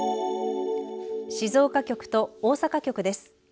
静岡局と大阪局です。